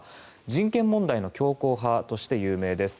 人権問題の強硬派として有名です。